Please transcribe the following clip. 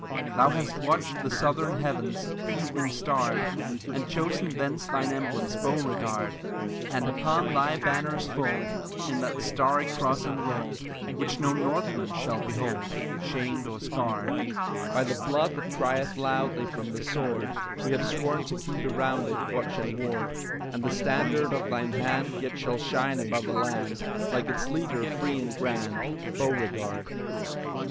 Thou hast watched the southern heavens Evening starred, And chosen thence thine emblems, Beauregard; And upon thy banner's fold Is that starry cross enrolled, Which no Northman shall behold Shamed or scarred. By the blood that crieth loudly From the sword, We have sworn to keep around it Watch and ward, And the standard of thine hand Yet shall shine above a land, Like its leader, free and grand, Beauregard! MRS.